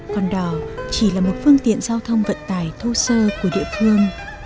con đò chỉ là một phương tiện giao thông vận tài thô sơ của địa phương